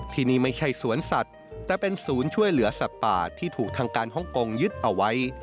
ที่นี่ไม่ใช่สวนสัตว์แต่เป็นศูนย์ช่วยเหลือสัตว์ป่าที่ถูกทางการฮ่องกงยึดเอาไว้